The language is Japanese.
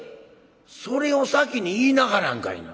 「それを先に言いなはらんかいな。